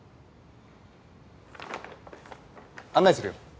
案内するよ。